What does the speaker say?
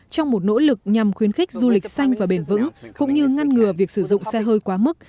trong một nỗ lực nhằm khuyến khích du lịch xanh và bền vững cũng như ngăn ngừa việc sử dụng xe hơi quá mức